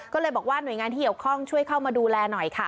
ก็เลยบอกว่าหน่วยงานที่เกี่ยวข้องช่วยเข้ามาดูแลหน่อยค่ะ